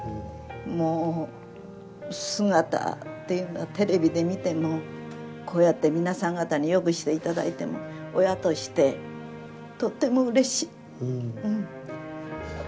もう姿っていうのはテレビで見てもこうやって皆さん方によくしていただいてもう親としてとってもうれしい。